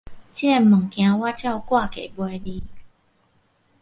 這个物件我照割價賣你